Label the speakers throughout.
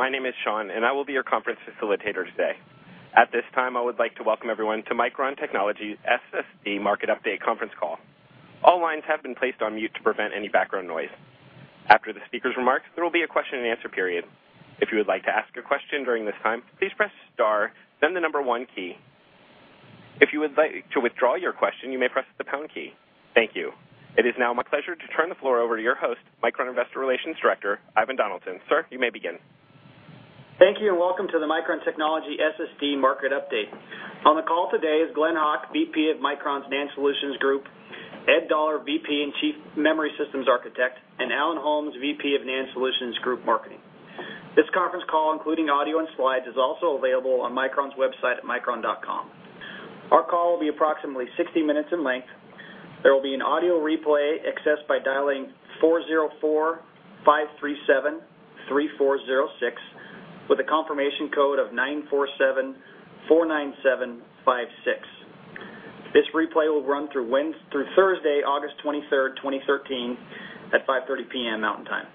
Speaker 1: Good day. My name is Sean. I will be your conference facilitator today. At this time, I would like to welcome everyone to Micron Technology's SSD Market Update conference call. All lines have been placed on mute to prevent any background noise. After the speaker's remarks, there will be a question and answer period. If you would like to ask a question during this time, please press star, then the number 1 key. If you would like to withdraw your question, you may press the pound key. Thank you. It is now my pleasure to turn the floor over to your host, Micron Investor Relations Director, Ivan Donaldson. Sir, you may begin.
Speaker 2: Thank you. Welcome to the Micron Technology SSD Market Update. On the call today is Glen Hawk, VP of Micron's NAND Solutions Group, Ed Doller, VP and Chief Memory Systems Architect, and Allen Holmes, VP of NAND Solutions Group Marketing. This conference call, including audio and slides, is also available on micron.com. Our call will be approximately 60 minutes in length. There will be an audio replay accessed by dialing 404-537-3406 with a confirmation code of 94749756. This replay will run through Thursday, August 23rd, 2013, at 5:30 P.M. Mountain Time.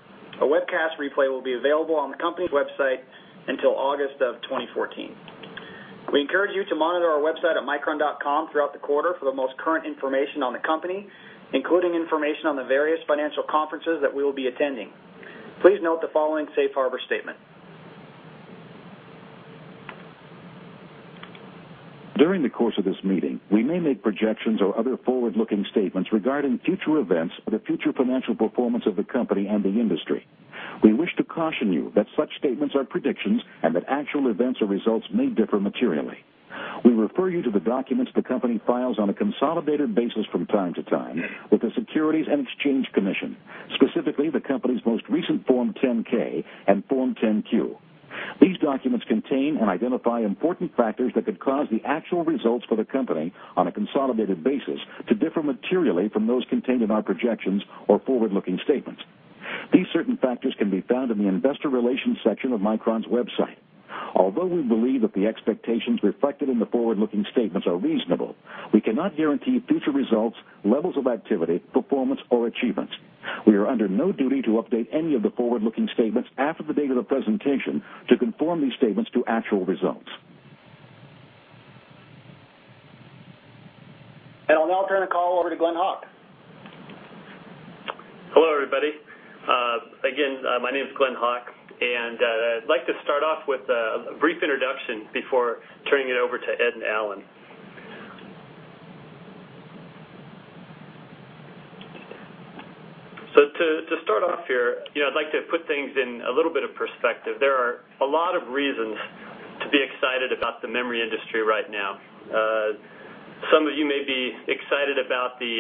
Speaker 2: A webcast replay will be available on the company's website until August of 2014. We encourage you to monitor our website at micron.com throughout the quarter for the most current information on the company, including information on the various financial conferences that we will be attending. Please note the following safe harbor statement. During the course of this meeting, we may make projections or other forward-looking statements regarding future events or the future financial performance of the company and the industry. We wish to caution you that such statements are predictions and that actual events or results may differ materially. We refer you to the documents the company files on a consolidated basis from time to time with the Securities and Exchange Commission, specifically the company's most recent Form 10-K and Form 10-Q. These documents contain and identify important factors that could cause the actual results for the company on a consolidated basis to differ materially from those contained in our projections or forward-looking statements. These certain factors can be found in the investor relations section of Micron's website. Although we believe that the expectations reflected in the forward-looking statements are reasonable, we cannot guarantee future results, levels of activity, performance, or achievements. We are under no duty to update any of the forward-looking statements after the date of the presentation to conform these statements to actual results. I'll now turn the call over to Glen Hawk.
Speaker 3: Hello, everybody. Again, my name is Glen Hawk, I'd like to start off with a brief introduction before turning it over to Ed and Allen. To start off here, I'd like to put things in a little bit of perspective. There are a lot of reasons to be excited about the memory industry right now. Some of you may be excited about the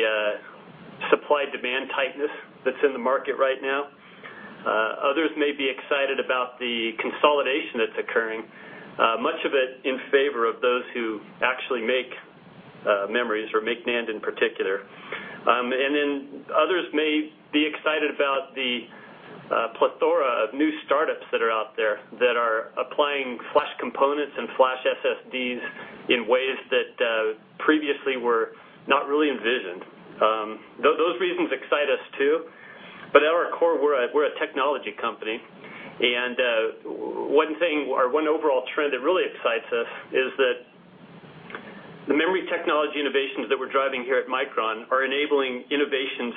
Speaker 3: supply-demand tightness that's in the market right now. Others may be excited about the consolidation that's occurring, much of it in favor of those who actually make memories or make NAND in particular. Others may be excited about the plethora of new startups that are out there that are applying flash components and flash SSDs in ways that previously were not really envisioned. Those reasons excite us, too. At our core, we're a technology company, one thing or one overall trend that really excites us is that the memory technology innovations that we're driving here at Micron are enabling innovations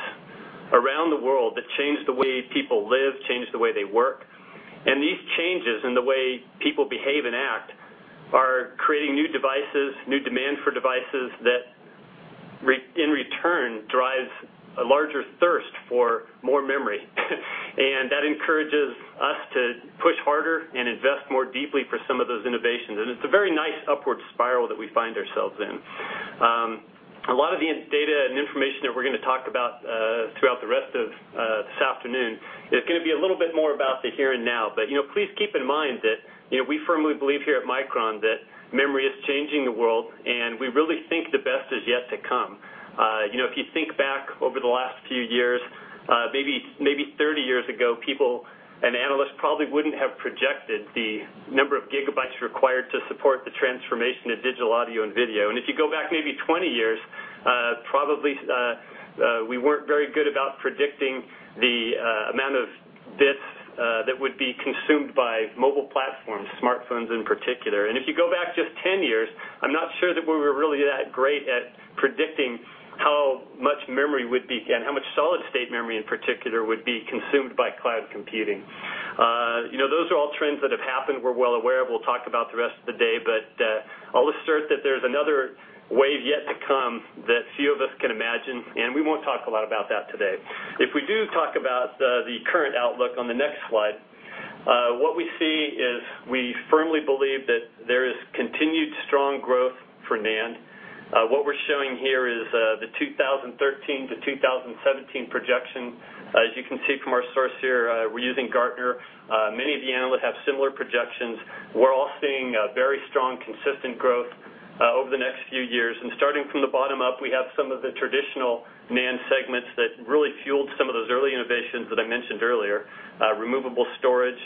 Speaker 3: around the world that change the way people live, change the way they work. These changes in the way people behave and act are creating new devices, new demand for devices that in return drives a larger thirst for more memory. That encourages us to push harder and invest more deeply for some of those innovations. It's a very nice upward spiral that we find ourselves in. A lot of the data and information that we're going to talk about throughout the rest of this afternoon is going to be a little bit more about the here and now. Please keep in mind that we firmly believe here at Micron that memory is changing the world, we really think the best is yet to come. If you think back over the last few years, maybe 30 years ago, people and analysts probably wouldn't have projected the number of gigabytes required to support the transformation of digital audio and video. If you go back maybe 20 years, probably we weren't very good about predicting the amount of bits that would be consumed by mobile platforms, smartphones in particular. If you go back just 10 years, I'm not sure that we were really that great at predicting how much memory would be, and how much solid state memory in particular would be consumed by cloud computing. Those are all trends that have happened, we're well aware of, we'll talk about the rest of the day, but I'll assert that there's another wave yet to come that few of us can imagine, and we won't talk a lot about that today. If we do talk about the current outlook on the next slide, what we see is we firmly believe that there is continued strong growth for NAND. What we're showing here is the 2013 to 2017 projection. As you can see from our source here, we're using Gartner. Many of the analysts have similar projections. We're all seeing very strong, consistent growth over the next few years. Starting from the bottom up, we have some of the traditional NAND segments that really fueled some of those early innovations that I mentioned earlier. Removable storage,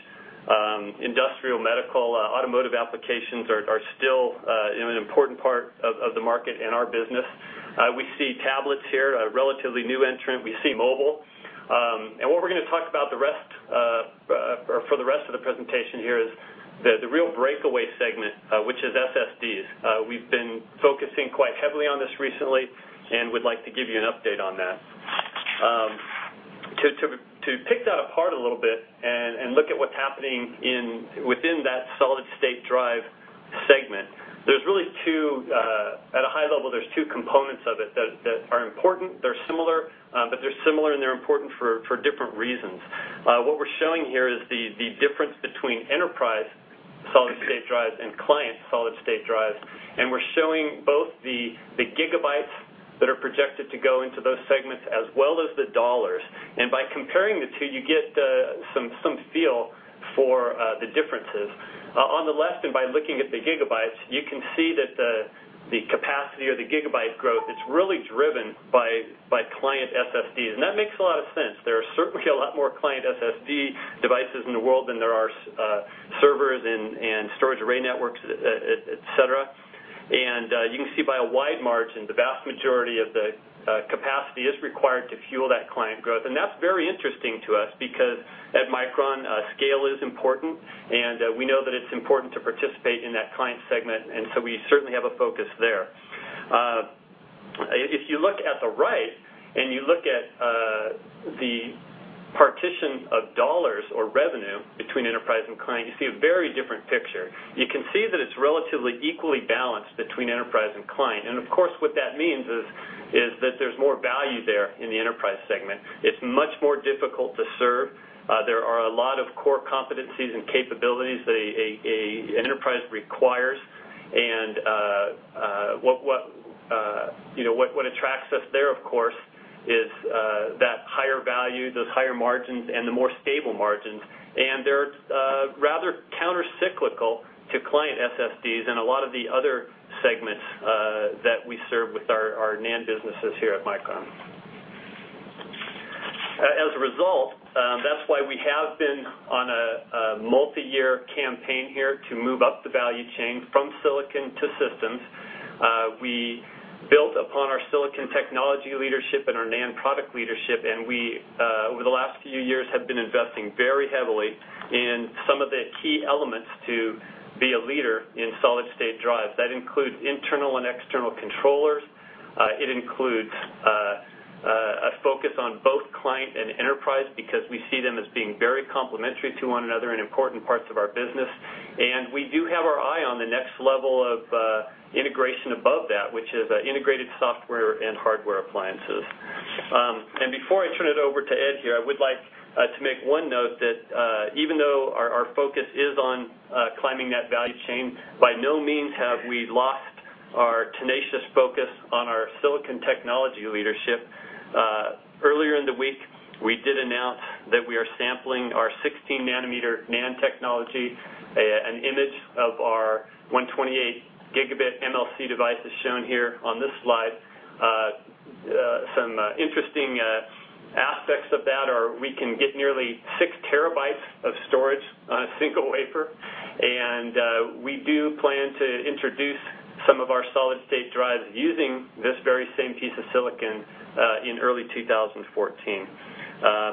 Speaker 3: industrial, medical, automotive applications are still an important part of the market and our business. We see tablets here, a relatively new entrant. We see mobile. What we're going to talk about for the rest of the presentation here is the real breakaway segment, which is SSDs. We've been focusing quite heavily on this recently, and we'd like to give you an update on that. To pick that apart a little bit and look at what's happening within that solid-state drive segment, at a high level, there's two components of it that are important. They're similar, but they're similar and they're important for different reasons. What we're showing here is the difference between enterprise solid-state drives and client solid-state drives. We're showing both the gigabytes that are projected to go into those segments, as well as the dollars. By comparing the two, you get some feel for the differences. On the left, by looking at the gigabytes, you can see that the capacity or the gigabyte growth is really driven by client SSDs. That makes a lot of sense. There are certainly a lot more client SSD devices in the world than there are servers and storage array networks, et cetera. You can see by a wide margin, the vast majority of the capacity is required to fuel that client growth. That's very interesting to us because at Micron, scale is important, and we know that it's important to participate in that client segment, we certainly have a focus there. If you look at the right and you look at the partition of dollars or revenue between enterprise and client, you see a very different picture. You can see that it's relatively equally balanced between enterprise and client. Of course, what that means is that there's more value there in the enterprise segment. It's much more difficult to serve. There are a lot of core competencies and capabilities that a enterprise requires. What attracts us there, of course, is that higher value, those higher margins, and the more stable margins. They're rather counter-cyclical to client SSDs and a lot of the other segments that we serve with our NAND businesses here at Micron. As a result, that's why we have been on a multi-year campaign here to move up the value chain from silicon to systems. We built upon our silicon technology leadership and our NAND product leadership, we, over the last few years, have been investing very heavily in some of the key elements to be a leader in solid-state drives. That includes internal and external controllers. It includes a focus on both client and enterprise because we see them as being very complementary to one another and important parts of our business. We do have our eye on the next level of integration above that, which is integrated software and hardware appliances. Before I turn it over to Ed here, I would like to make one note that, even though our focus is on climbing that value chain, by no means have we lost our tenacious focus on our silicon technology leadership. Earlier in the week, we did announce that we are sampling our 16-nanometer NAND technology. An image of our 128 gigabit MLC device is shown here on this slide. Some interesting aspects of that are we can get nearly six terabytes of storage on a single wafer, and we do plan to introduce some of our solid-state drives using this very same piece of silicon, in early 2014.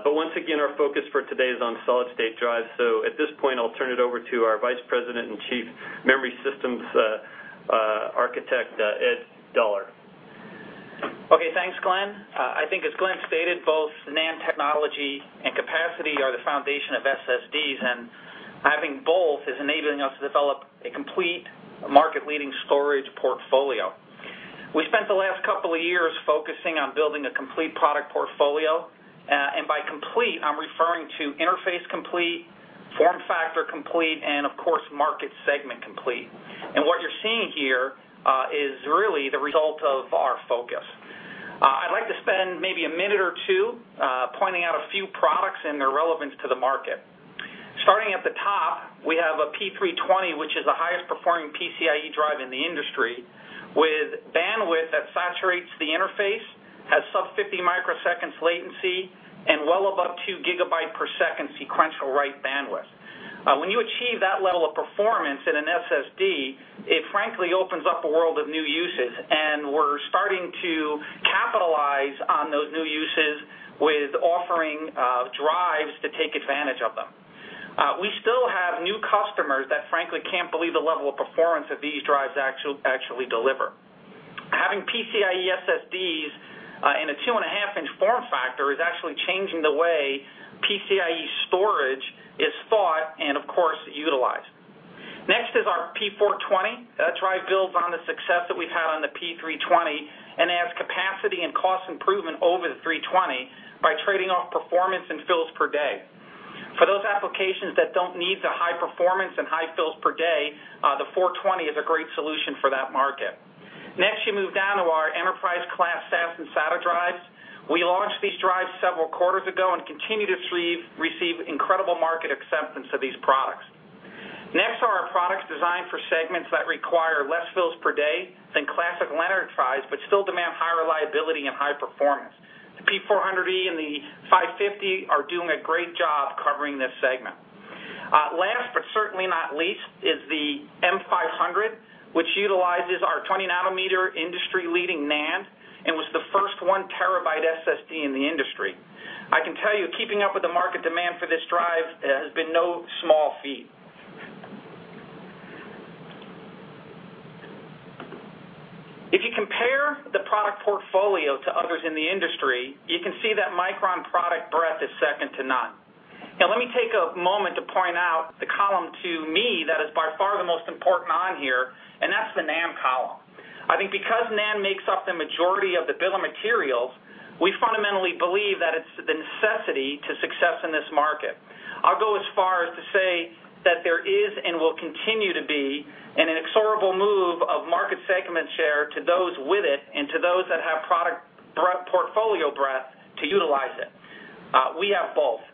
Speaker 3: Once again, our focus for today is on solid-state drives. At this point, I'll turn it over to our Vice President and Chief Memory Systems Architect, Ed Doller.
Speaker 4: Okay. Thanks, Glen. I think as Glen stated, both NAND technology and capacity are the foundation of SSDs, and having both is enabling us to develop a complete market-leading storage portfolio. We spent the last couple of years focusing on building a complete product portfolio. By complete, I'm referring to interface complete, form factor complete, and of course, market segment complete. What you're seeing here is really the result of our focus. I'd like to spend maybe a minute or two pointing out a few products and their relevance to the market. Starting at the top, we have a P320, which is the highest performing PCIe drive in the industry, with bandwidth that saturates the interface, has sub 50 microseconds latency, and well above two gigabyte per second sequential write bandwidth. When you achieve that level of performance in an SSD, it frankly opens up a world of new uses, and we're starting to capitalize on those new uses with offering drives to take advantage of them. We still have new customers that frankly can't believe the level of performance that these drives actually deliver. Having PCIe SSDs in a two-and-a-half-inch form factor is actually changing the way PCIe storage is thought and, of course, utilized. Next is our P420. That drive builds on the success that we've had on the P320 and adds capacity and cost improvement over the 320 by trading off performance and fills per day. For those applications that don't need the high performance and high fills per day, the 420 is a great solution for that market. Next, you move down to our enterprise-class SAS and SATA drives. We launched these drives several quarters ago and continue to receive incredible market acceptance of these products. Next are our products designed for segments that require less fills per day than classic enterprise, but still demand high reliability and high performance. The P400e and the 550 are doing a great job covering this segment. Last not least is the M500, which utilizes our 20-nanometer industry-leading NAND and was the first one terabyte SSD in the industry. I can tell you, keeping up with the market demand for this drive has been no small feat. If you compare the product portfolio to others in the industry, you can see that Micron product breadth is second to none. Let me take a moment to point out the column to me that is by far the most important on here, and that's the NAND column. I think because NAND makes up the majority of the bill of materials, we fundamentally believe that it's the necessity to success in this market. I'll go as far as to say that there is and will continue to be an inexorable move of market segment share to those with it and to those that have product portfolio breadth to utilize it. We have both.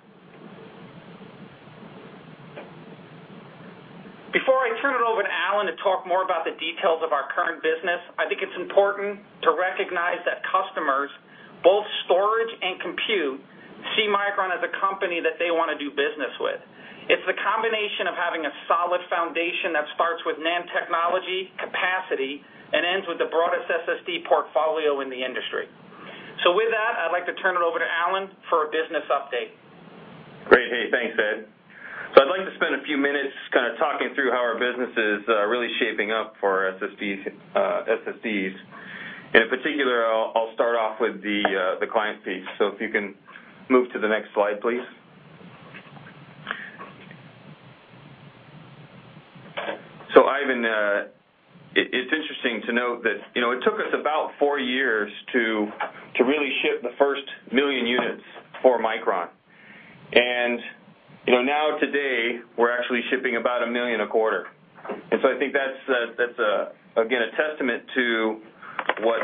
Speaker 4: Before I turn it over to Allen to talk more about the details of our current business, I think it's important to recognize that customers, both storage and compute, see Micron as a company that they want to do business with. It's the combination of having a solid foundation that starts with NAND technology capacity and ends with the broadest SSD portfolio in the industry. With that, I'd like to turn it over to Allen for a business update.
Speaker 5: Great. Hey, thanks, Ed. I'd like to spend a few minutes kind of talking through how our business is really shaping up for SSDs. In particular, I'll start off with the client piece. If you can move to the next slide, please. Ivan, it's interesting to note that it took us about four years to really ship the first 1 million units for Micron. Today, we're actually shipping about 1 million a quarter. I think that's, again, a testament to what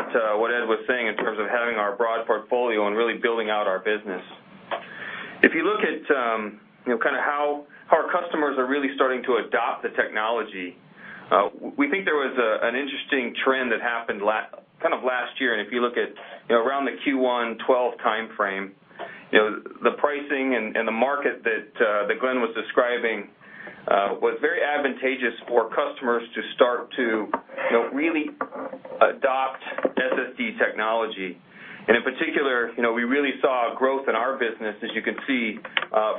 Speaker 5: Ed was saying in terms of having our broad portfolio and really building out our business. If you look at how our customers are really starting to adopt the technology, we think there was an interesting trend that happened last year. If you look at around the Q1 2012 timeframe, the pricing and the market that Glen was describing was very advantageous for customers to start to really adopt SSD technology. In particular, we really saw growth in our business, as you can see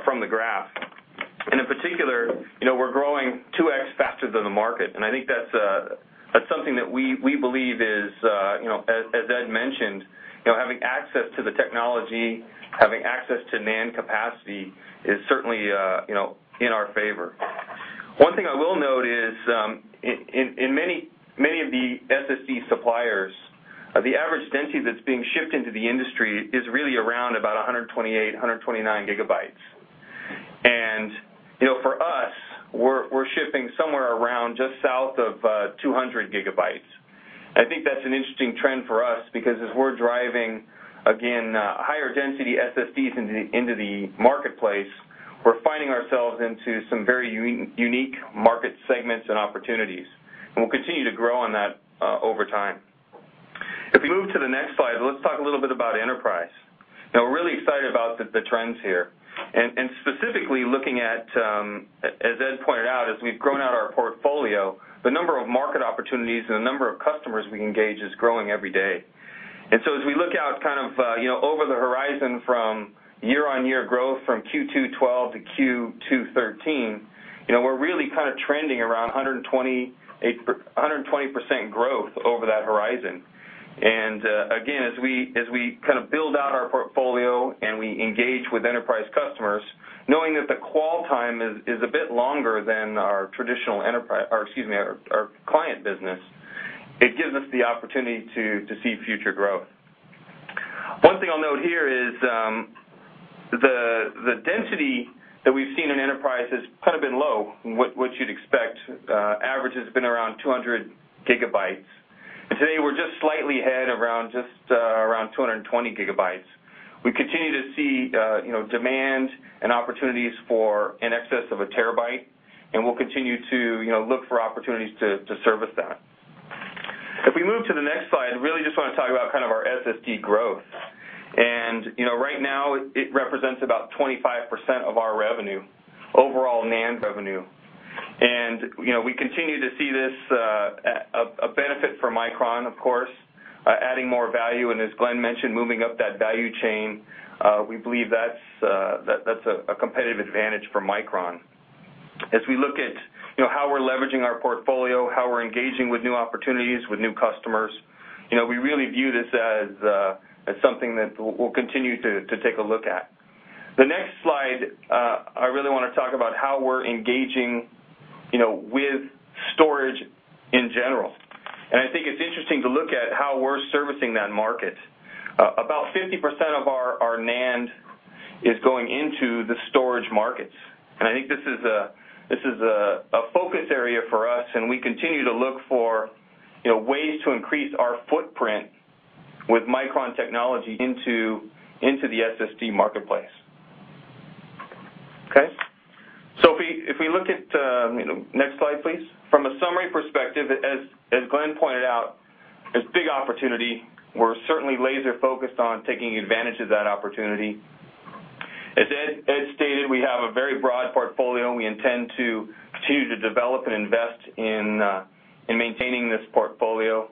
Speaker 5: from the graph. In particular, we're growing 2x faster than the market. I think that's something that we believe is, as Ed mentioned, having access to the technology, having access to NAND capacity is certainly in our favor. One thing I will note is, in many of the SSD suppliers, the average density that's being shipped into the industry is really around about 128, 129 gigabytes. For us, we're shipping somewhere around just south of 200 gigabytes. That's an interesting trend for us, because as we're driving, again, higher density SSDs into the marketplace, we're finding ourselves into some very unique market segments and opportunities. We'll continue to grow on that over time. If we move to the next slide, let's talk a little bit about enterprise. We're really excited about the trends here. Specifically looking at, as Ed pointed out, as we've grown out our portfolio, the number of market opportunities and the number of customers we engage is growing every day. As we look out over the horizon from year-on-year growth from Q2 2012 to Q2 2013, we're really kind of trending around 120% growth over that horizon. Again, as we build out our portfolio and we engage with enterprise customers, knowing that the qual time is a bit longer than our client business, it gives us the opportunity to see future growth. One thing I'll note here is the density that we've seen in enterprise has been low, what you'd expect. Average has been around 200 gigabytes. Today, we're just slightly ahead, around just 220 gigabytes. We continue to see demand and opportunities for in excess of a terabyte, we'll continue to look for opportunities to service that. If we move to the next slide, really just want to talk about our SSD growth. Right now, it represents about 25% of our revenue, overall NAND revenue. We continue to see this a benefit for Micron, of course, adding more value, and as Glen mentioned, moving up that value chain. We believe that's a competitive advantage for Micron. As we look at how we're leveraging our portfolio, how we're engaging with new opportunities, with new customers, we really view this as something that we'll continue to take a look at. The next slide, I really want to talk about how we're engaging with storage in general. I think it's interesting to look at how we're servicing that market. About 50% of our NAND is going into the storage markets. I think this is a focus area for us, and we continue to look for ways to increase our footprint with Micron Technology into the SSD marketplace. Okay. If we look at, next slide, please. From a summary perspective, as Glen pointed out Opportunity. We're certainly laser-focused on taking advantage of that opportunity. As Ed stated, we have a very broad portfolio, we intend to continue to develop and invest in maintaining this portfolio.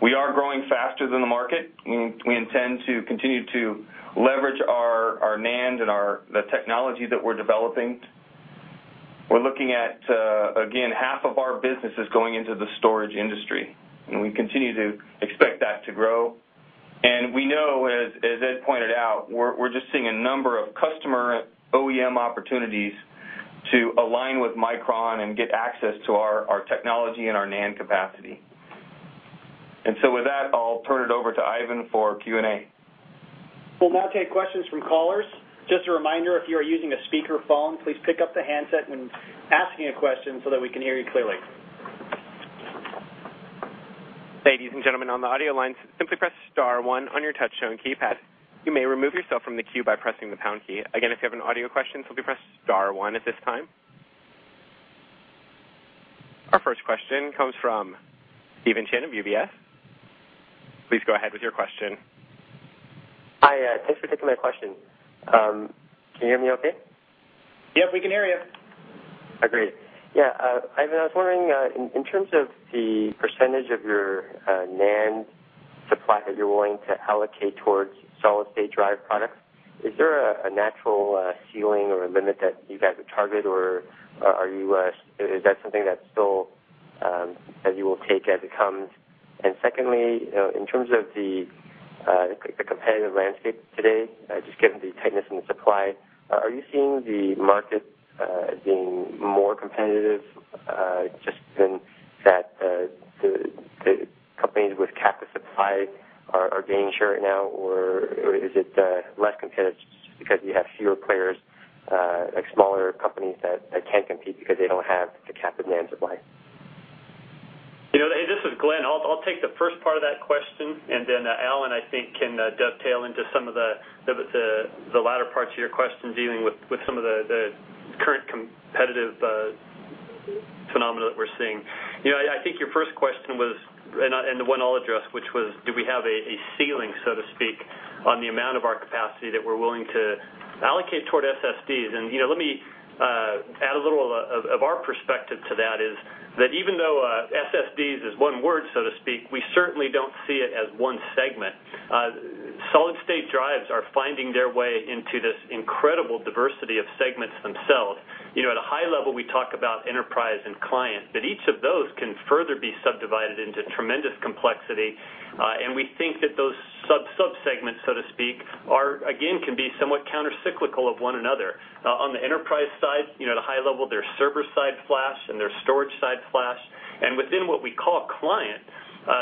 Speaker 5: We are growing faster than the market, we intend to continue to leverage our NAND and the technology that we're developing. We're looking at, again, half of our business is going into the storage industry, we continue to expect that to grow. We know, as Ed pointed out, we're just seeing a number of customer OEM opportunities to align with Micron and get access to our technology and our NAND capacity. With that, I'll turn it over to Ivan for Q&A.
Speaker 2: We'll now take questions from callers. Just a reminder, if you are using a speakerphone, please pick up the handset when asking a question so that we can hear you clearly.
Speaker 1: Ladies and gentlemen, on the audio lines, simply press star one on your touch-tone keypad. You may remove yourself from the queue by pressing the pound key. Again, if you have an audio question, simply press star one at this time. Our first question comes from Stephen Chin of UBS. Please go ahead with your question.
Speaker 6: Hi. Thanks for taking my question. Can you hear me okay?
Speaker 2: Yep, we can hear you.
Speaker 6: Great. Ivan, I was wondering, in terms of the percentage of your NAND supply that you're willing to allocate towards solid-state drive products, is there a natural ceiling or a limit that you guys would target, or is that something that you will take as it comes? Secondly, in terms of the competitive landscape today, just given the tightness in the supply, are you seeing the market as being more competitive, just in that the companies with capped supply are gaining share right now, or is it less competitive just because you have fewer players, like smaller companies that can't compete because they don't have the capped NAND supply?
Speaker 3: This is Glen. I'll take the first part of that question, then Allen, I think, can dovetail into some of the latter parts of your questions dealing with some of the current competitive phenomena that we're seeing. I think your first question was, the one I'll address, which was, do we have a ceiling, so to speak, on the amount of our capacity that we're willing to allocate toward SSDs? Let me add a little of our perspective to that is that even though SSDs is one word, so to speak, we certainly don't see it as one segment. Solid-state drives are finding their way into this incredible diversity of segments themselves. At a high level, we talk about enterprise and clients, each of those can further be subdivided into tremendous complexity. We think that those sub-segments, so to speak, again, can be somewhat counter-cyclical of one another. On the enterprise side, at a high level, there's server-side flash and there's storage-side flash. Within what we call a client,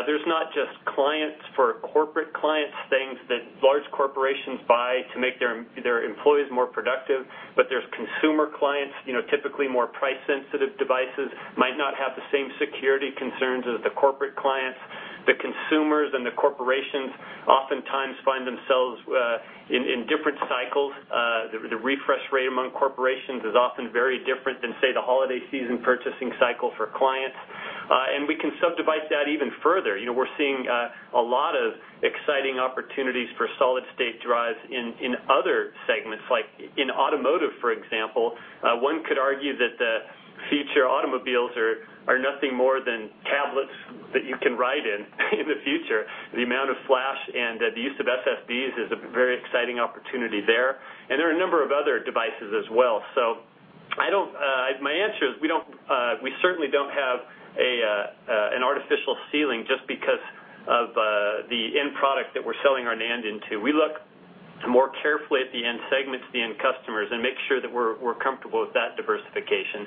Speaker 3: there's not just clients for corporate clients, things that large corporations buy to make their employees more productive, there's consumer clients, typically more price-sensitive devices, might not have the same security concerns as the corporate clients. The consumers and the corporations oftentimes find themselves in different cycles. The refresh rate among corporations is often very different than, say, the holiday season purchasing cycle for clients. We can subdivide that even further. We're seeing a lot of exciting opportunities for solid-state drives in other segments. Like in automotive, for example, one could argue that the future automobiles are nothing more than tablets that you can ride in in the future. The amount of flash and the use of SSDs is a very exciting opportunity there. There are a number of other devices as well. My answer is, we certainly don't have an artificial ceiling just because of the end product that we're selling our NAND into. We look more carefully at the end segments, the end customers, and make sure that we're comfortable with that diversification.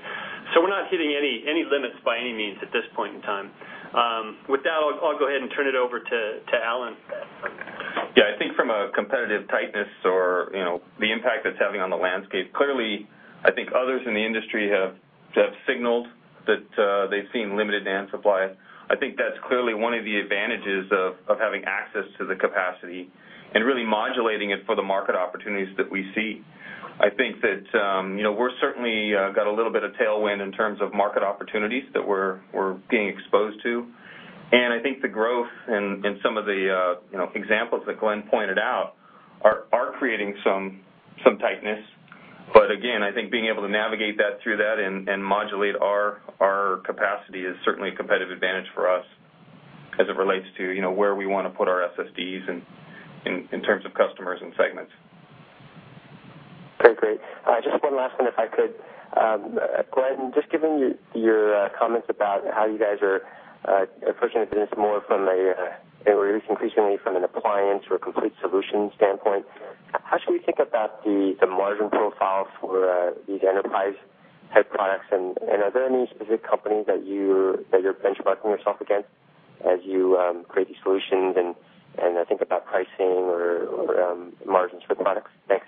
Speaker 3: We're not hitting any limits by any means at this point in time. With that, I'll go ahead and turn it over to Allen.
Speaker 5: I think from a competitive tightness or the impact it's having on the landscape, clearly, I think others in the industry have signaled that they've seen limited NAND supply. I think that's clearly one of the advantages of having access to the capacity and really modulating it for the market opportunities that we see. I think that we're certainly got a little bit of tailwind in terms of market opportunities that we're being exposed to. I think the growth in some of the examples that Glen pointed out are creating some tightness. Again, I think being able to navigate through that and modulate our capacity is certainly a competitive advantage for us as it relates to where we want to put our SSDs in terms of customers and segments.
Speaker 6: Okay, great. Just one last one if I could. Glen, just given your comments about how you guys are approaching this more increasingly from an appliance or a complete solution standpoint, how should we think about the margin profile for these enterprise-type products? Are there any specific companies that you're benchmarking yourself against as you create these solutions and think about pricing or margins for the products? Thanks.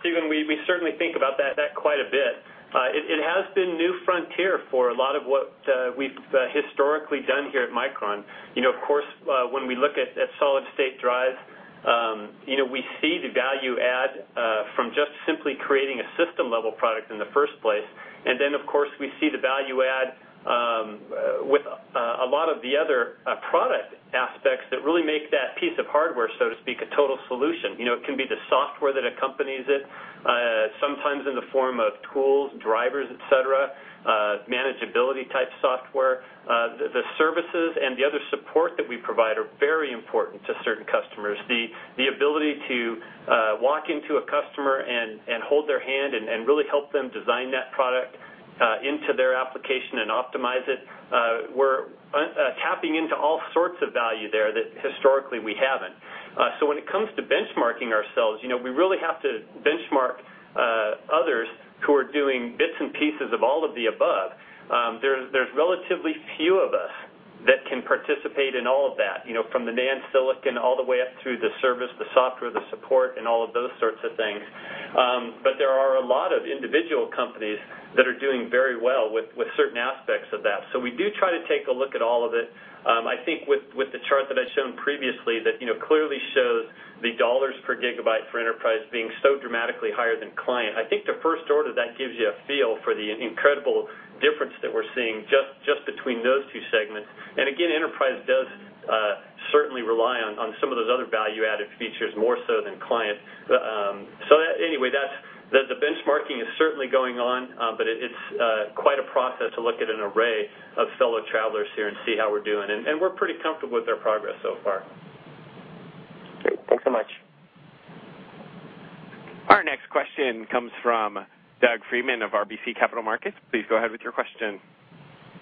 Speaker 3: Steven, we certainly think about that quite a bit. It has been new frontier for a lot of what we've historically done here at Micron. Of course, when we look at solid-state drives, we see the value add from just simply creating a system-level product in the first place, and then of course, we see the value add with a lot of the other product aspects that really make that piece of hardware, so to speak, a total solution. It can be the software that accompanies it, sometimes in the form of tools, drivers, et cetera, manageability-type software. The services and the other support that we provide are very important to certain customers. The ability to walk into a customer and hold their hand and really help them design that product into their application and optimize it, we're tapping into all sorts of value there that historically we haven't. When it comes to benchmarking ourselves, we really have to benchmark others who are doing bits and pieces of all of the above. There's relatively few of us that can participate in all of that, from the NAND silicon all the way up through the service, the software, the support, and all of those sorts of things. There are a lot of individual companies that are doing very well with certain aspects of that. We do try to take a look at all of it. I think with the chart that I'd shown previously, that clearly shows the dollars per gigabyte for enterprise being so dramatically higher than client. I think the first order, that gives you a feel for the incredible difference that we're seeing just between those two segments. Again, enterprise does certainly rely on some of those other value-added features more so than client. Anyway, the benchmarking is certainly going on, but it's quite a process to look at an array of fellow travelers here and see how we're doing, and we're pretty comfortable with our progress so far.
Speaker 6: Great. Thanks so much.
Speaker 1: Our next question comes from Douglas Freedman of RBC Capital Markets. Please go ahead with your question.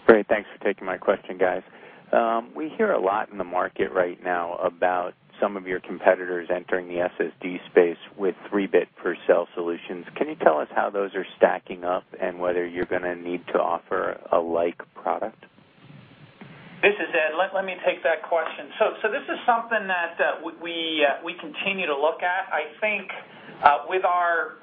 Speaker 7: Great. Thanks for taking my question, guys. We hear a lot in the market right now about some of your competitors entering the SSD space with 3-bit per cell solutions. Can you tell us how those are stacking up and whether you're going to need to offer a like product?
Speaker 4: Ed. Let me take that question. This is something that we continue to look at. I think with our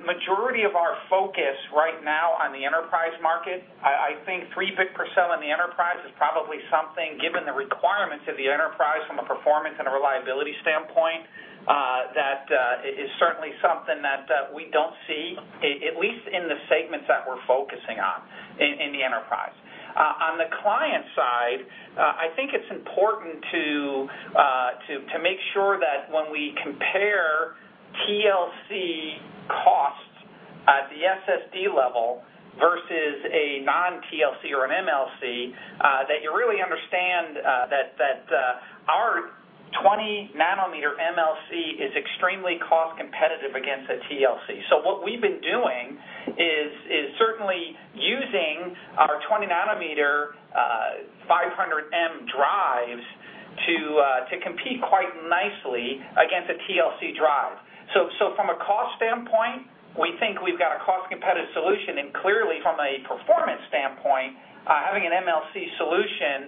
Speaker 4: majority of our focus right now on the enterprise market, I think 3-bit per cell in the enterprise is probably something, given the requirements of the enterprise from a performance and a reliability standpoint, that is certainly something that we don't see, at least in the segments that we're focusing on in the enterprise. On the client side, I think it's important to make sure that when we compare TLC costs at the SSD level versus a non-TLC or an MLC, that you really understand that our 20-nanometer MLC is extremely cost-competitive against a TLC. What we've been doing is certainly using our 20-nanometer 500M drives to compete quite nicely against a TLC drive. From a cost standpoint, we think we've got a cost-competitive solution, and clearly from a performance standpoint, having an MLC solution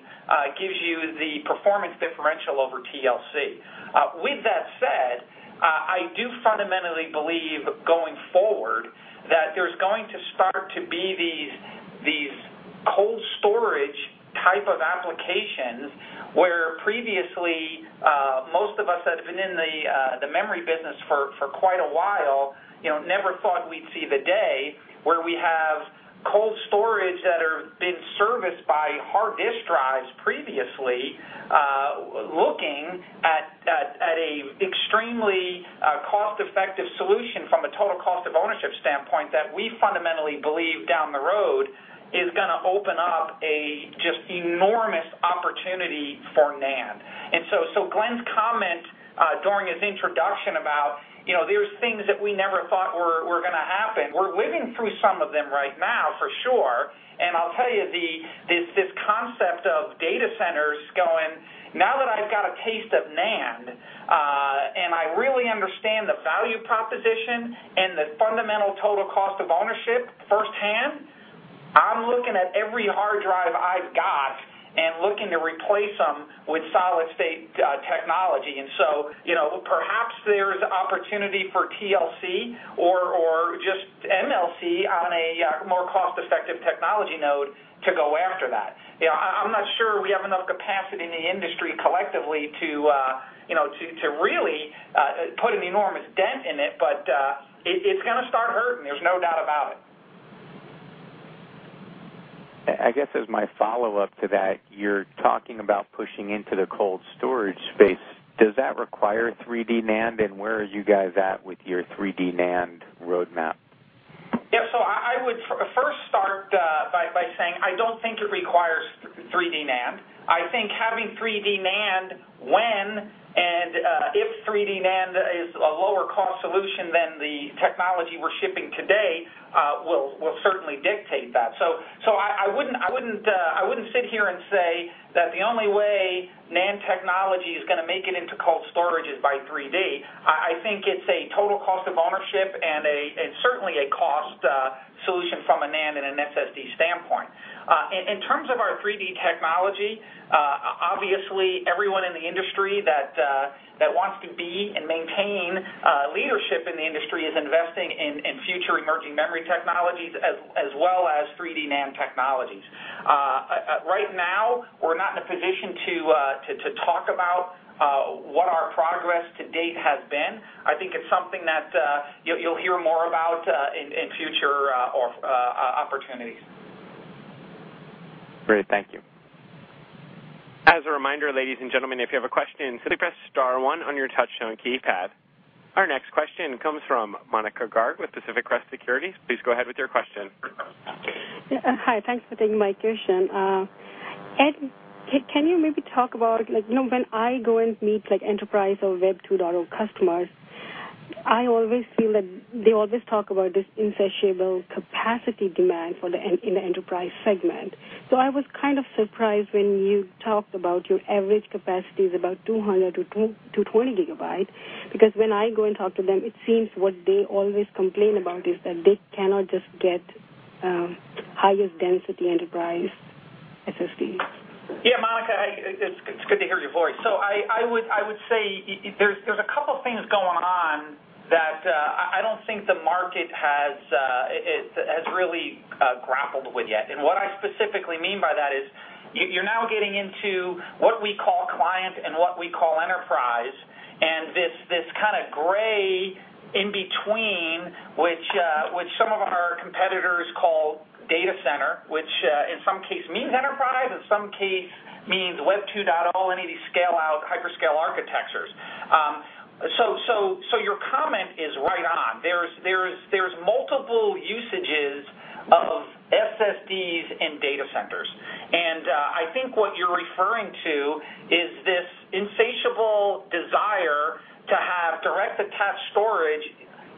Speaker 4: gives you the performance differential over TLC. With that said, I do fundamentally believe going forward that there's going to start to be these cold storage type of applications, where previously, most of us that have been in the memory business for quite a while never thought we'd see the day where we have cold storage that have been serviced by hard disk drives previously, looking at an extremely cost-effective solution from a total cost of ownership standpoint, that we fundamentally believe down the road is going to open up a just enormous opportunity for NAND. Glen's comment during his introduction about there's things that we never thought were going to happen. We're living through some of them right now, for sure.
Speaker 3: I'll tell you, this concept of data centers going, now that I've got a taste of NAND, and I really understand the value proposition and the fundamental total cost of ownership firsthand, I'm looking at every hard drive I've got and looking to replace them with solid-state technology. Perhaps there's opportunity for TLC or just MLC on a more cost-effective technology node to go after that. I'm not sure we have enough capacity in the industry collectively to really put an enormous dent in it, but it's going to start hurting, there's no doubt about it.
Speaker 7: I guess as my follow-up to that, you're talking about pushing into the cold storage space. Does that require 3D NAND, and where are you guys at with your 3D NAND roadmap?
Speaker 4: I would first start by saying, I don't think it requires 3D NAND. I think having 3D NAND, when and if 3D NAND is a lower-cost solution than the technology we're shipping today, will certainly dictate that. I wouldn't sit here and say that the only way NAND technology is going to make it into cold storage is by 3D. I think it's a total cost of ownership and certainly a cost solution from a NAND and an SSD standpoint. In terms of our 3D technology, obviously everyone in the industry that wants to be in The industry is investing in future emerging memory technologies, as well as 3D NAND technologies. Right now, we're not in a position to talk about what our progress to date has been. I think it's something that you'll hear more about in future opportunities.
Speaker 1: Great. Thank you. As a reminder, ladies and gentlemen, if you have a question, simply press star one on your touch-tone keypad. Our next question comes from Monika Garg with Pacific Crest Securities. Please go ahead with your question.
Speaker 8: Yeah. Hi, thanks for taking my question. Ed, can you maybe talk about, when I go and meet enterprise or Web 2.0 customers, I always feel that they always talk about this insatiable capacity demand in the enterprise segment. I was kind of surprised when you talked about your average capacity is about 200-220 gigabytes, because when I go and talk to them, it seems what they always complain about is that they cannot just get highest-density enterprise SSDs.
Speaker 4: Yeah, Monika, it's good to hear your voice. I would say there's two things going on that I don't think the market has really grappled with yet. What I specifically mean by that is, you're now getting into what we call client and what we call enterprise, and this kind of gray in-between, which some of our competitors call data center, which in some case means enterprise, in some case means Web 2.0, any of these scale-out, hyperscale architectures. Your comment is right on. There's multiple usages of SSDs in data centers. I think what you're referring to is this insatiable desire to have direct-attached storage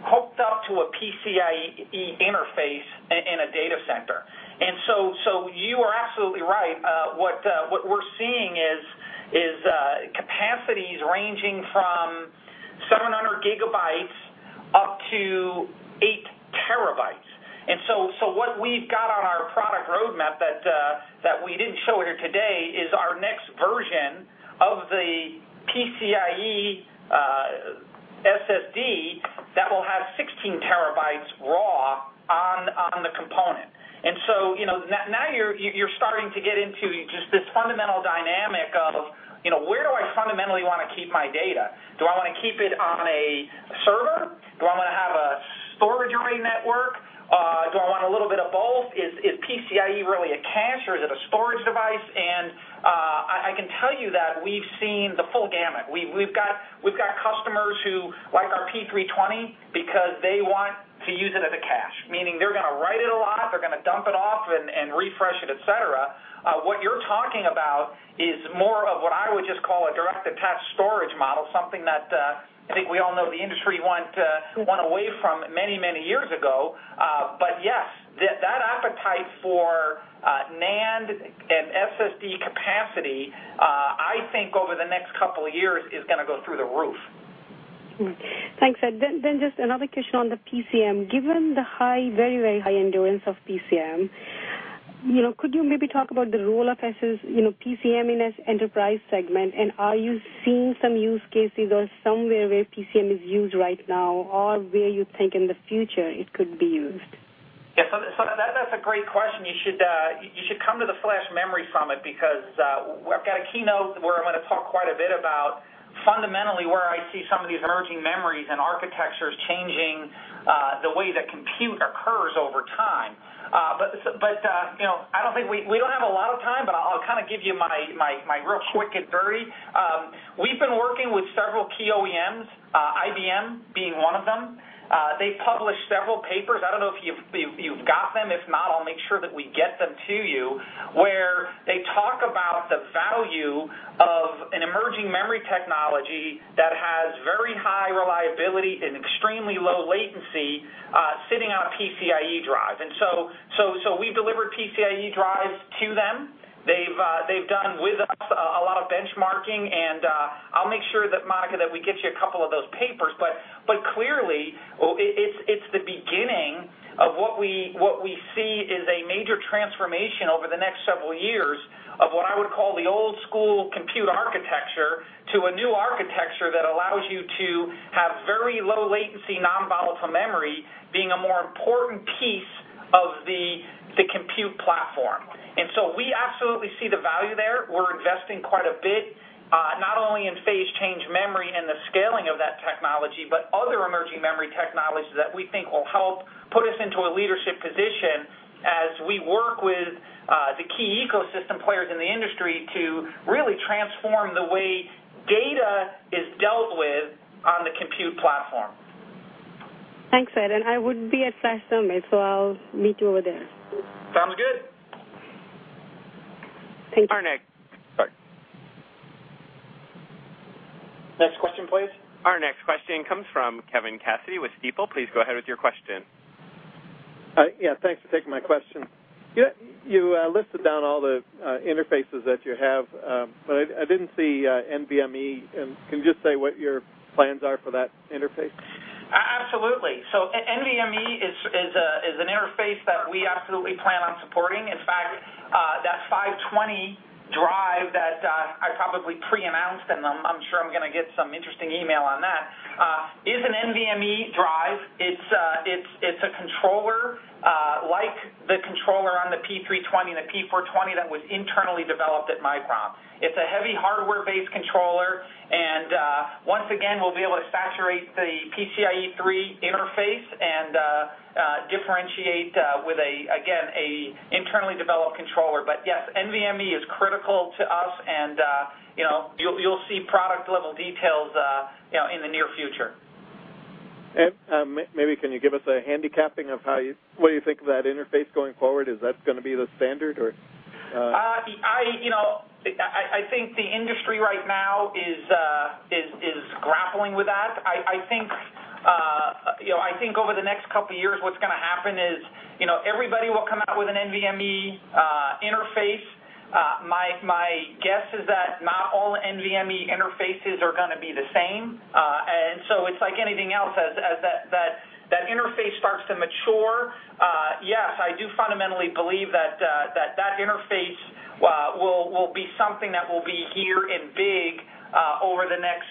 Speaker 4: hooked up to a PCIe interface in a data center. You are absolutely right. What we're seeing is capacities ranging from 700 gigabytes up to eight terabytes. What we've got on our product roadmap that we didn't show here today is our next version of the PCIe SSD that will have 16 terabytes raw on the component. Now you're starting to get into just this fundamental dynamic of, where do I fundamentally want to keep my data? Do I want to keep it on a server? Do I want to have a storage array network? Do I want a little bit of both? Is PCIe really a cache, or is it a storage device? I can tell you that we've seen the full gamut. We've got customers who like our P320h because they want to use it as a cache, meaning they're going to write it a lot, they're going to dump it off and refresh it, et cetera. What you're talking about is more of what I would just call a direct-attached storage model, something that I think we all know the industry went away from many, many years ago. Yes, that appetite for NAND and SSD capacity, I think over the next two years, is going to go through the roof.
Speaker 8: Thanks, Ed. Just another question on the PCM. Given the very, very high endurance of PCM, could you maybe talk about the role of PCM in this enterprise segment? Are you seeing some use cases or somewhere where PCM is used right now or where you think in the future it could be used?
Speaker 4: Yeah, that's a great question. You should come to the Flash Memory Summit because I've got a keynote where I'm going to talk quite a bit about fundamentally where I see some of these emerging memories and architectures changing the way that compute occurs over time. We don't have a lot of time, but I'll give you my real quick and dirty. We've been working with several key OEMs, IBM being one of them. They published several papers, I don't know if you've got them. If not, I'll make sure that we get them to you, where they talk about the value of an emerging memory technology that has very high reliability and extremely low latency sitting on a PCIe drive. We've delivered PCIe drives to them. They've done with us a lot of benchmarking and I'll make sure, Monika, that we get you a couple of those papers. Clearly, it's the beginning of what we see is a major transformation over the next several years of what I would call the old-school compute architecture to a new architecture that allows you to have very low latency, non-volatile memory being a more important piece of the compute platform. We absolutely see the value there. We're investing quite a bit, not only in phase-change memory and the scaling of that technology, but other emerging memory technologies that we think will help put us into a leadership position as we work with the key ecosystem players in the industry to really transform the way data is dealt with on the compute platform.
Speaker 8: Thanks, Ed, I would be at Flash Summit, so I'll meet you over there.
Speaker 4: Sounds good.
Speaker 8: Thank you.
Speaker 1: Our next-
Speaker 4: Sorry. Next question, please.
Speaker 1: Our next question comes from Kevin Cassidy with Stifel. Please go ahead with your question.
Speaker 9: Yeah, thanks for taking my question. You listed down all the interfaces that you have, I didn't see NVMe. Can you just say what your plans are for that interface?
Speaker 4: Absolutely NVMe is an interface that we absolutely plan on supporting. In fact, that 5200 drive that I probably pre-announced, and I'm sure I'm going to get some interesting email on that, is an NVMe drive. It's a controller like the controller on the P320h and the P420m that was internally developed at Micron. It's a heavy hardware-based controller, and once again, we'll be able to saturate the PCIe 3.0 interface and differentiate with, again, an internally developed controller. Yes, NVMe is critical to us, and you'll see product-level details in the near future.
Speaker 9: Ed, maybe can you give us a handicapping of what you think of that interface going forward? Is that going to be the standard?
Speaker 4: I think the industry right now is grappling with that. I think over the next couple of years, what's going to happen is everybody will come out with an NVMe interface. My guess is that not all NVMe interfaces are going to be the same. It's like anything else, as that interface starts to mature, yes, I do fundamentally believe that interface will be something that will be here and big over the next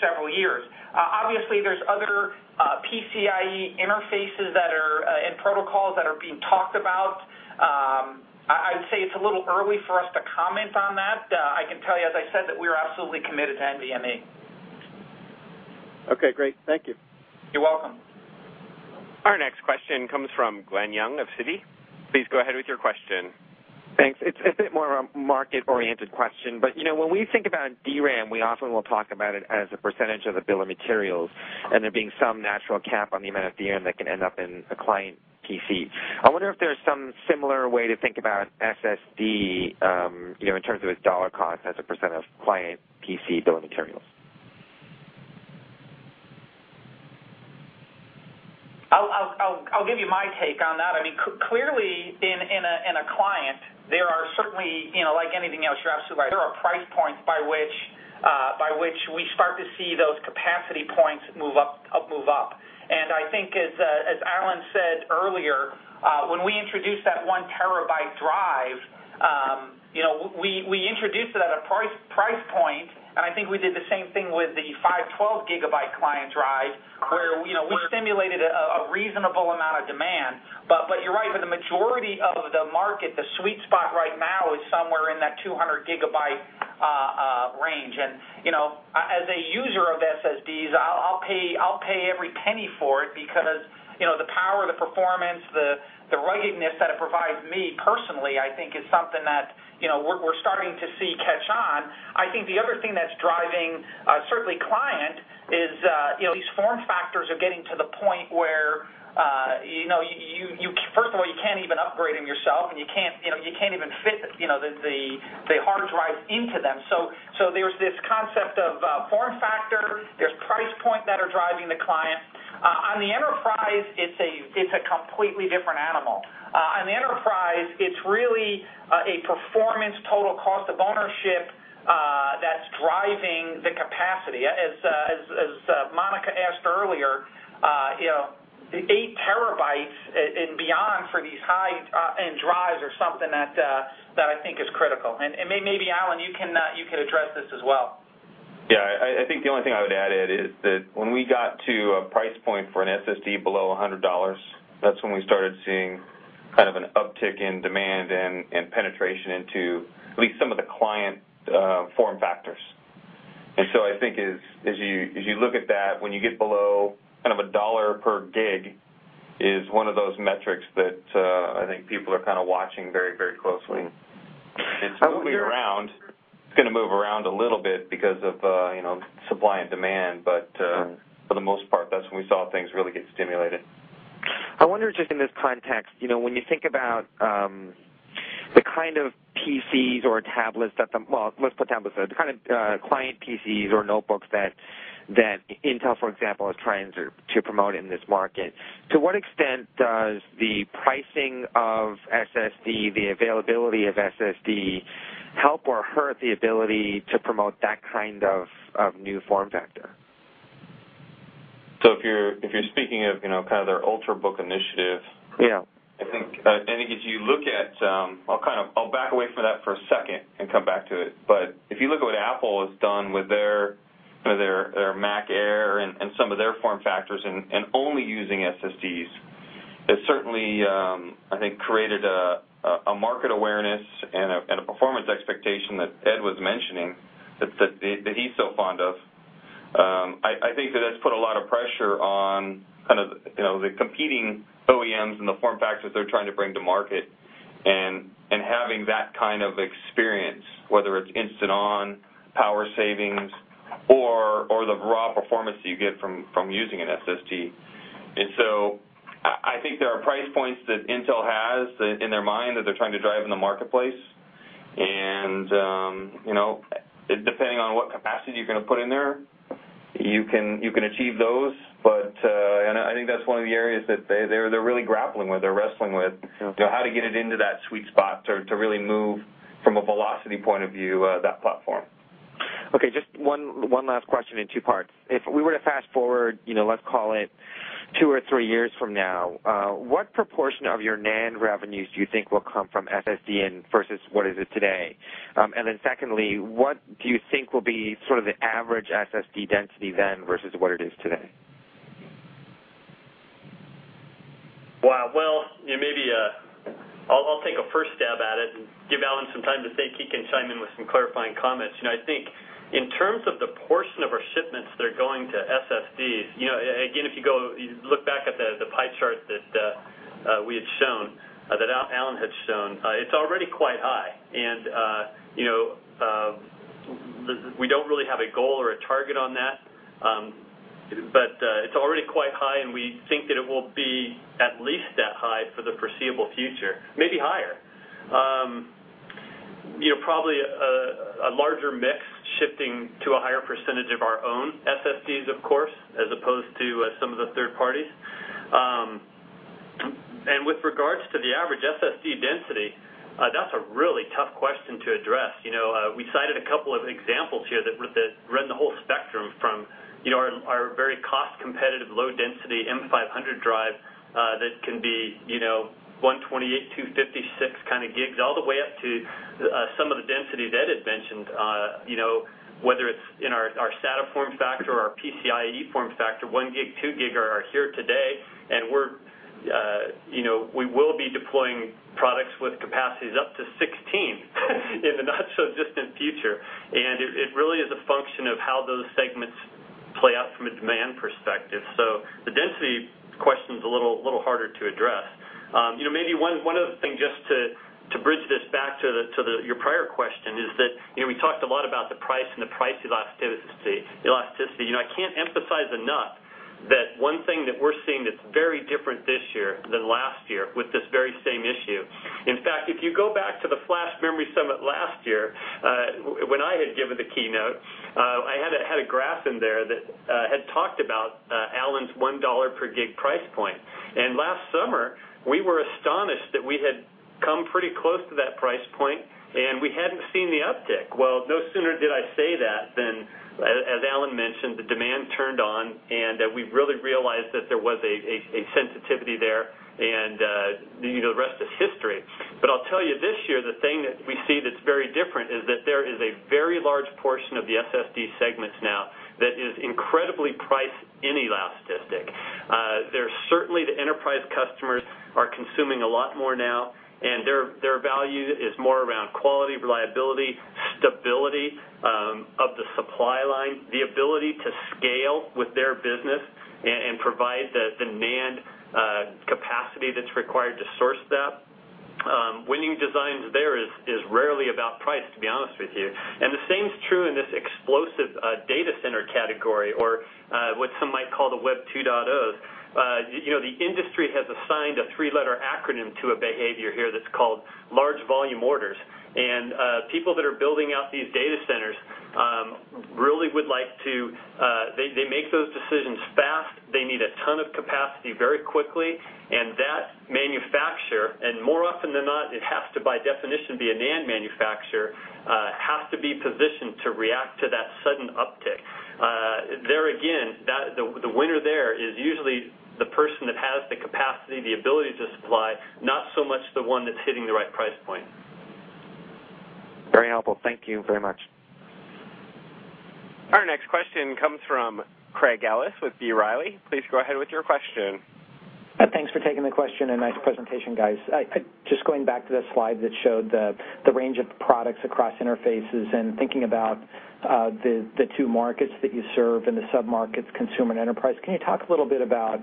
Speaker 4: several years. Obviously, there's other PCIe interfaces and protocols that are being talked about. I'd say it's a little early for us to comment on that. I can tell you, as I said, that we are absolutely committed to NVMe.
Speaker 9: Okay, great. Thank you.
Speaker 4: You're welcome.
Speaker 1: Our next question comes from Glen Yeung of Citi. Please go ahead with your question.
Speaker 10: Thanks. It's a bit more of a market-oriented question, but when we think about DRAM, we often will talk about it as a % of the bill of materials, and there being some natural cap on the amount of DRAM that can end up in a client PC. I wonder if there's some similar way to think about SSD, in terms of its dollar cost as a % of client PC bill of materials.
Speaker 4: I'll give you my take on that. Clearly, in a client, there are certainly, like anything else, you're absolutely right, there are price points by which we start to see those capacity points move up. As Allen said earlier, when we introduced that 1 terabyte drive, we introduced it at a price point, and I think we did the same thing with the 512-gigabyte client drive, where we stimulated a reasonable amount of demand. You're right, for the majority of the market, the sweet spot right now is somewhere in that 200-gigabyte range. As a user of SSDs, I'll pay every penny for it because the power, the performance, the ruggedness that it provides me personally, I think, is something that we're starting to see catch on. I think the other thing that's driving, certainly client, is these form factors are getting to the point where, first of all, you can't even upgrade them yourself, and you can't even fit the hard drive into them. There's this concept of form factor. There's price point that are driving the client. On the enterprise, it's a completely different animal. On the enterprise, it's really a performance total cost of ownership that's driving the capacity. As Monika asked earlier, eight terabytes and beyond for these high-end drives are something that I think is critical. Maybe, Allen, you can address this as well.
Speaker 5: Yeah. I think the only thing I would add, Ed, is that when we got to a price point for an SSD below $100, that's when we started seeing an uptick in demand and penetration into at least some of the client form factors. I think as you look at that, when you get below $1 per gig is one of those metrics that I think people are watching very closely. It's going to move around a little bit because of supply and demand, but for the most part, that's when we saw things really get stimulated.
Speaker 10: I wonder just in this context, when you think about the kind of PCs or tablets that well, let's put tablets aside. The kind of client PCs or notebooks that Intel, for example, is trying to promote in this market, to what extent does the pricing of SSD, the availability of SSD, help or hurt the ability to promote that kind of new form factor?
Speaker 5: If you're speaking of their Ultrabook initiative.
Speaker 10: Yeah
Speaker 5: I think I'll back away from that for a second and come back to it, if you look at what Apple has done with their MacBook Air and some of their form factors and only using SSDs, it certainly, I think, created a market awareness and a performance expectation that Ed was mentioning that he's so fond of. I think that that's put a lot of pressure on the competing OEMs and the form factors they're trying to bring to market and having that kind of experience, whether it's instant on, power savings, or the raw performance you get from using an SSD. I think there are price points that Intel has in their mind that they're trying to drive in the marketplace. Depending on what capacity you're going to put in there, you can achieve those. I think that's one of the areas that they're really grappling with or wrestling with.
Speaker 10: Okay.
Speaker 5: How to get it into that sweet spot to really move, from a velocity point of view, that platform.
Speaker 10: Okay, just one last question in two parts. If we were to fast-forward, let's call it two or three years from now, what proportion of your NAND revenues do you think will come from SSD versus what it is today? Secondly, what do you think will be sort of the average SSD density then versus what it is today?
Speaker 3: Wow. Well, maybe I'll take a first stab at it and give Allen some time to see if he can chime in with some clarifying comments. I think in terms of the portion of our shipments that are going to SSDs, again, if you look back at the pie chart that Allen had shown, it's already quite high. We don't really have a goal or a target on that. It's already quite high, and we think that it will be at least that high for the foreseeable future, maybe higher. Probably a larger mix shifting to a higher percentage of our own SSDs, of course, as opposed to some of the third parties. With regards to the average SSD density, that's a really tough question to address. We cited a couple of examples here that run the whole spectrum from our very cost-competitive, low-density M500 drive, that can be, 128, 256 kind of gigs, all the way up to some of the density Ed had mentioned, whether it's in our SATA form factor or our PCIe form factor, one gig, two gig are here today. We will be deploying products with capacities up to 16 in the not so distant future. It really is a function of how those segments play out from a demand perspective. The density question's a little harder to address. Maybe one other thing, just to bridge this back to your prior question, is that we talked a lot about the price and the price elasticity. I can't emphasize enough that one thing that we're seeing that's very different this year than last year, with this very same issue. In fact, if you go back to the Flash Memory Summit last year, when I had given the keynote, I had a graph in there that had talked about Allen's $1 per gig price point. Last summer, we were astonished that we had come pretty close to that price point, and we hadn't seen the uptick. Well, no sooner did I say that than, as Allen mentioned, the demand turned on, and we really realized that there was a sensitivity there. The rest is history. I'll tell you this year, the thing that we see that's very different is that there is a very large portion of the SSD segments now that is incredibly price inelastic. Certainly, the enterprise customers are consuming a lot more now, and their value is more around quality, reliability, stability of the supply line, the ability to scale with their business, and provide the NAND capacity that's required to source that. Winning designs there is rarely about price, to be honest with you. The same is true in this explosive data center category, or what some might call the Web 2.0s. The industry has assigned a three-letter acronym to a behavior here that's called large volume orders. People that are building out these data centers really would like to make those decisions fast. They need a ton of capacity very quickly. That manufacturer, and more often than not, it has to by definition, be a NAND manufacturer, has to be positioned to react to that sudden uptick. There again, the winner there is usually the person that has the capacity, the ability to supply, not so much the one that's hitting the right price point.
Speaker 10: Very helpful. Thank you very much.
Speaker 1: Our next question comes from Craig Ellis with B. Riley. Please go ahead with your question.
Speaker 11: Thanks for taking the question, and nice presentation, guys. Just going back to the slide that showed the range of products across interfaces and thinking about the two markets that you serve and the sub-markets, consumer and enterprise. Can you talk a little bit about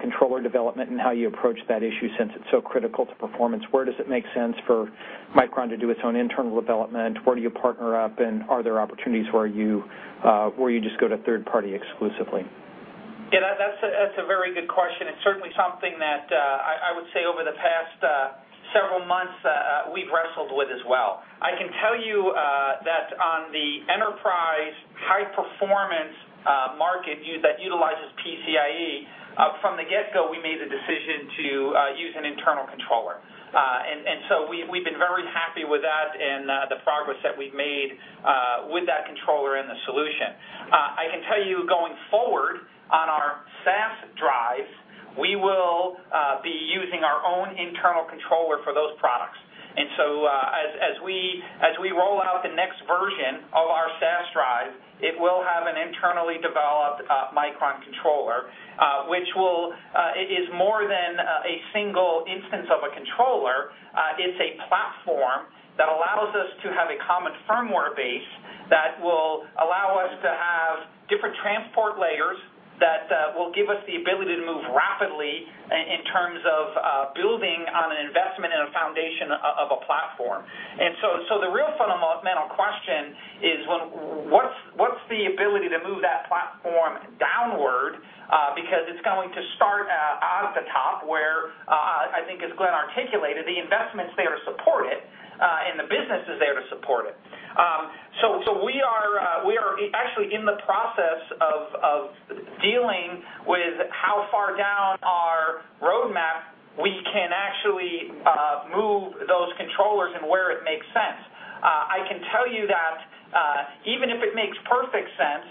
Speaker 11: controller development and how you approach that issue since it's so critical to performance? Where does it make sense for Micron to do its own internal development? Where do you partner up, and are there opportunities where you just go to third party exclusively?
Speaker 4: Yeah, that's a very good question. It's certainly something that I would say over the past several months, we've wrestled with as well. I can tell you that on the enterprise high-performance market that utilizes PCIe, from the get-go, we made the decision to use an internal controller. We've been very happy with that and the progress that we've made with that controller and the solution. I can tell you, going forward, on our SAS drives, we will be using our own internal controller for those products. As we roll out the next version of our SAS drive, it will have an internally developed Micron controller. It is more than a single instance of a controller. It's a platform that allows us to have a common firmware base that will allow us to have different transport layers that will give us the ability to move rapidly in terms of building on an investment and a foundation of a platform. The real fundamental question is, what's the ability to move that platform downward? Because it's going to start out at the top, where, I think as Glen articulated, the investment's there to support it, and the business is there to support it. We are actually in the process of dealing with how far down on those controllers and where it makes sense. I can tell you that even if it makes perfect sense,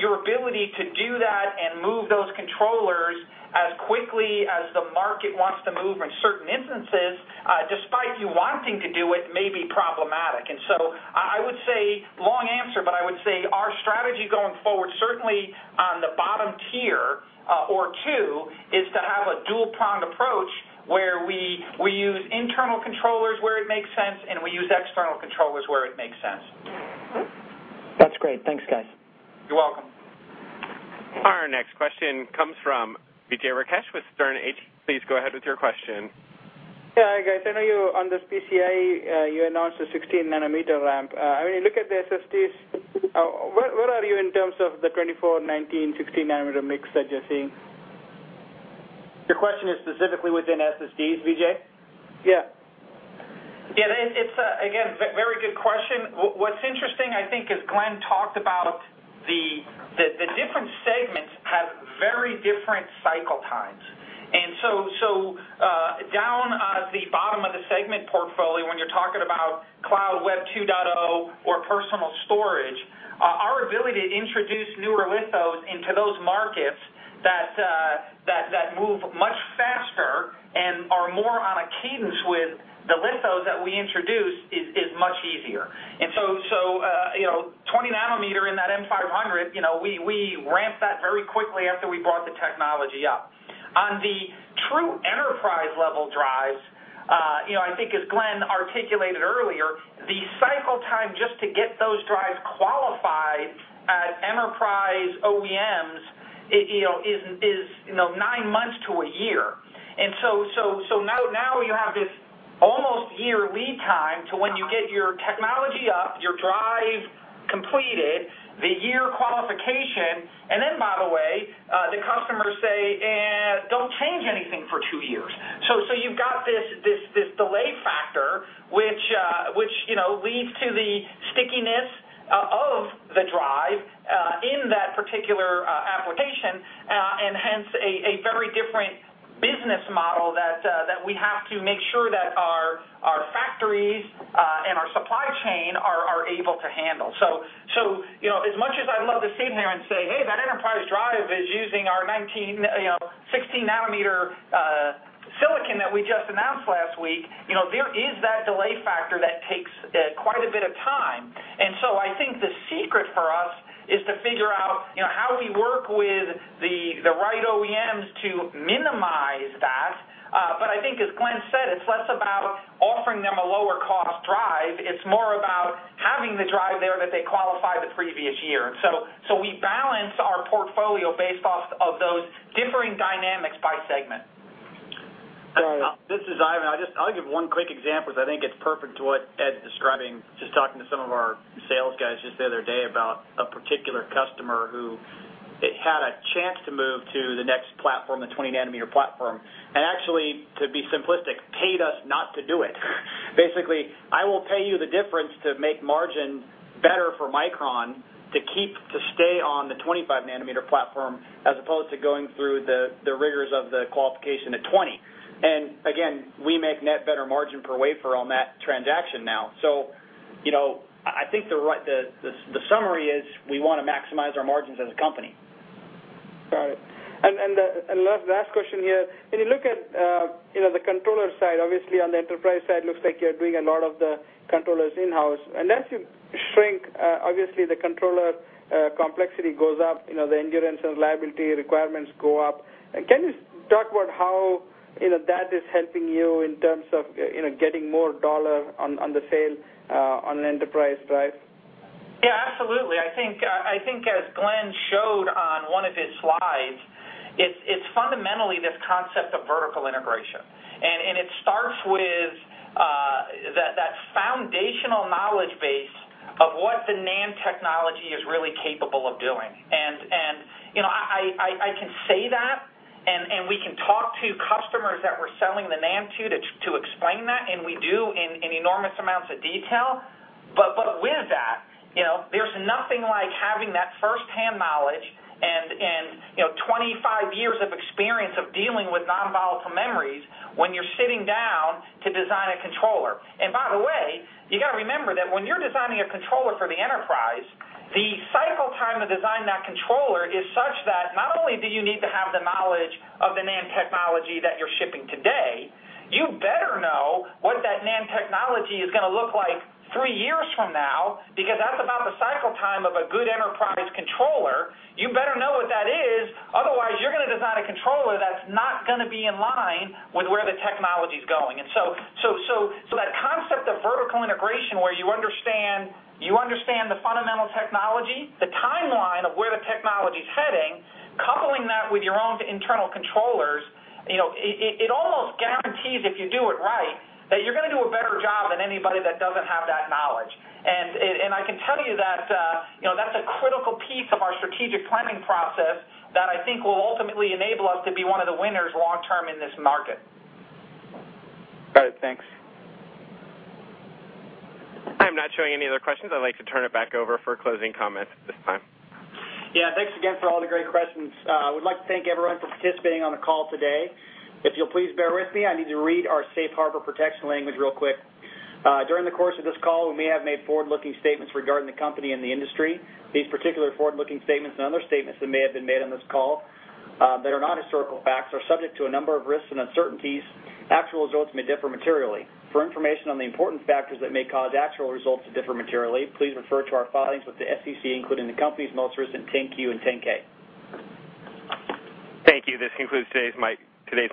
Speaker 4: your ability to do that and move those controllers as quickly as the market wants to move in certain instances, despite you wanting to do it, may be problematic. I would say, long answer, but I would say our strategy going forward, certainly on the bottom tier or two, is to have a dual-pronged approach where we use internal controllers where it makes sense, and we use external controllers where it makes sense.
Speaker 11: That's great. Thanks, guys.
Speaker 4: You're welcome.
Speaker 1: Our next question comes from Vijay Rakesh with Sterne Agee. Please go ahead with your question.
Speaker 12: Yeah. Hi, guys. I know you, on this PCI, you announced a 16-nanometer ramp. When you look at the SSDs, where are you in terms of the 24-nanometer/19-nanometer/16-nanometer mix that you're seeing?
Speaker 4: Your question is specifically within SSDs, Vijay?
Speaker 12: Yeah.
Speaker 4: Yeah. It's, again, a very good question. What's interesting, I think, as Glen talked about, the different segments have very different cycle times. Down at the bottom of the segment portfolio, when you're talking about cloud Web 2.0 or personal storage, our ability to introduce newer lithos into those markets that move much faster and are more on a cadence with the lithos that we introduce, is much easier. 20-nanometer in that M500, we ramped that very quickly after we brought the technology up. On the true enterprise-level drives, I think as Glen articulated earlier, the cycle time just to get those drives qualified at enterprise OEMs is nine months to a year. Now you have this almost year lead time to when you get your technology up, your drive completed, the year qualification, and then, by the way, the customers say, "Eh, don't change anything for two years." You've got this delay factor, which leads to the stickiness of the drive in that particular application, and hence, a very different business model that we have to make sure that our factories and our supply chain are able to handle. As much as I'd love to sit here and say, "Hey, that enterprise drive is using our 16-nanometer silicon that we just announced last week," there is that delay factor that takes quite a bit of time. I think the secret for us is to figure out how we work with the right OEMs to minimize that. I think, as Glen said, it's less about offering them a lower-cost drive. It's more about having the drive there that they qualified the previous year. We balance our portfolio based off of those differing dynamics by segment.
Speaker 2: Got it. This is Ivan. I'll give one quick example, because I think it's perfect to what Ed's describing, just talking to some of our sales guys just the other day about a particular customer who had a chance to move to the next platform, the 20-nanometer platform. Actually, to be simplistic, paid us not to do it. Basically, I will pay you the difference to make margin better for Micron to stay on the 25-nanometer platform as opposed to going through the rigors of the qualification at 20. Again, we make net better margin per wafer on that transaction now. I think the summary is we want to maximize our margins as a company.
Speaker 12: Got it. Last question here. When you look at the controller side, obviously on the enterprise side, looks like you're doing a lot of the controllers in-house. As you shrink, obviously the controller complexity goes up, the endurance and reliability requirements go up. Can you talk about how that is helping you in terms of getting more $ on the sale on an enterprise drive?
Speaker 4: Yeah, absolutely. I think as Glen showed on one of his slides, it's fundamentally this concept of vertical integration. It starts with that foundational knowledge base of what the NAND technology is really capable of doing. I can say that, and we can talk to customers that we're selling the NAND to explain that, and we do in enormous amounts of detail. With that, there's nothing like having that first-hand knowledge and 25 years of experience of dealing with non-volatile memories when you're sitting down to design a controller. By the way, you got to remember that when you're designing a controller for the enterprise, the cycle time to design that controller is such that not only do you need to have the knowledge of the NAND technology that you're shipping today, you better know what that NAND technology is going to look like 3 years from now, because that's about the cycle time of a good enterprise controller. You better know what that is. Otherwise, you're going to design a controller that's not going to be in line with where the technology's going. That concept of vertical integration where you understand the fundamental technology, the timeline of where the technology's heading, coupling that with your own internal controllers, it almost guarantees, if you do it right, that you're going to do a better job than anybody that doesn't have that knowledge. I can tell you that that's a critical piece of our strategic planning process that I think will ultimately enable us to be one of the winners long term in this market.
Speaker 12: Got it. Thanks.
Speaker 1: I'm not showing any other questions. I'd like to turn it back over for closing comments at this time.
Speaker 2: Yeah. Thanks again for all the great questions. I would like to thank everyone for participating on the call today. If you'll please bear with me, I need to read our safe harbor protection language real quick. During the course of this call, we may have made forward-looking statements regarding the company and the industry. These particular forward-looking statements and other statements that may have been made on this call that are not historical facts are subject to a number of risks and uncertainties. Actual results may differ materially. For information on the important factors that may cause actual results to differ materially, please refer to our filings with the SEC, including the company's most recent 10-Q and 10-K.
Speaker 1: Thank you. This concludes today's today's